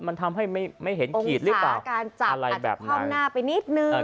มันทำให้ไม่เห็นขีดหรือเปล่าการจับคว่ำหน้าไปนิดนึง